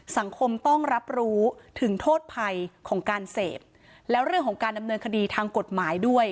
สังคมต้องรับรู้ถึงโทษภัยของการเสพแล้วเรื่องของการดำเนินคดีทางกฎหมายด้วย